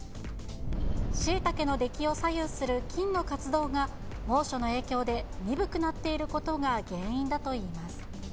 シイタケの出来を左右する菌の活動が猛暑の影響で鈍くなっていることが原因だといいます。